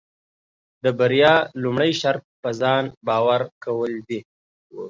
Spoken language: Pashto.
د بریا لومړی شرط پۀ ځان باور کول دي.